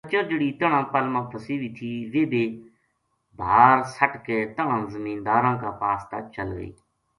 کچر جہڑی تنہاں پل ما پھسی وی تھی ویہ بے بھا ر سٹ کے تنہاں زمینداراں کا پاس تا چل گئی